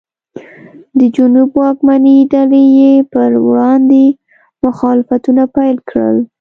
د جنوب واکمنې ډلې یې پر وړاندې مخالفتونه پیل کړل.